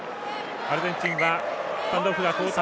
アルゼンチンはスタンドオフが交代。